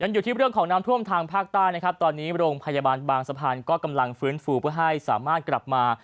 อยู่ที่เรื่องของน้ำท่วมทางภาคใต้นะครับตอนนี้โรงพยาบาลบางสะพานก็กำลังฟื้นฟูเพื่อให้สามารถกลับมา